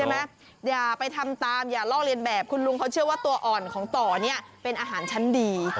โด่เอาตัเหาะบางคนไปให้อาเอาตัวอ่อนของต่อนี้เป็นอาหารชั้นดี